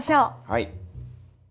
はい。